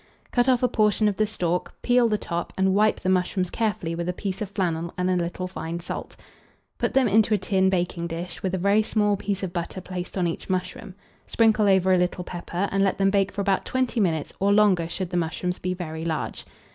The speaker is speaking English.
Cut off a portion of the stalk, peel the top, and wipe the mushrooms carefully with a piece of flannel and a little fine salt. Put them into a tin baking dish, with a very small piece of butter placed on each mushroom; sprinkle over a little pepper, and let them bake for about 20 minutes, or longer should the mushrooms be very large.